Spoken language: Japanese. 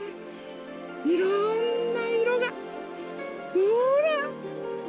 いろんないろがほら！